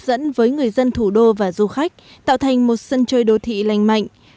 cơ sở hấp dẫn với người dân thủ đô và du khách tạo thành một sân chơi đô thị lành mạnh